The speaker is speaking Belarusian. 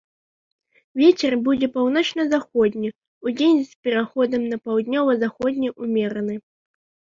Вецер будзе паўночна-заходні, удзень з пераходам на паўднёва-заходні ўмераны.